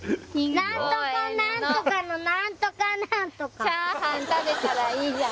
何とか何とかの何とか何とか「チャーハン食べたらいいじゃん！」